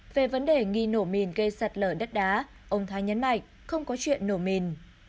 về vấn đề nghi nổ mìn gây sạt lở đất đá ông thái nhấn mạnh không có chuyện nổ mìn